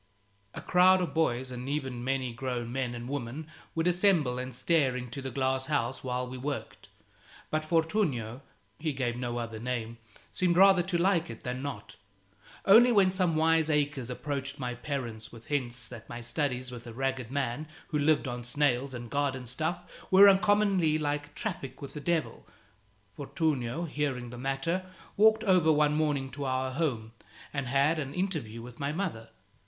A crowd of boys and even many grown men and women would assemble and stare into the glass house while we worked; but Fortunio (he gave no other name) seemed rather to like it than not. Only when some wiseacres approached my parents with hints that my studies with a ragged man who lived on snails and garden stuff were uncommonly like traffic with the devil, Fortunio, hearing the matter, walked over one morning to our home and had an interview with my mother.